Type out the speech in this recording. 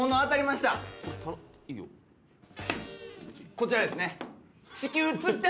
こちらですね。